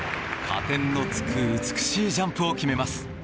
加点の付く美しいジャンプを決めます。